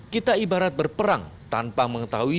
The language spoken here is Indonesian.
kita ibarat berperang tanpa mengetahui